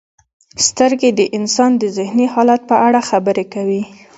• سترګې د انسان د ذهني حالت په اړه خبرې کوي.